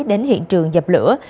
đến hiện trường dập lửa